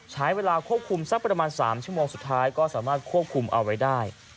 ใช้เวลาควบคุมสักประมาณ๓ชั่วโมงสุดท้ายก็สามารถควบคุมเอาไว้ได้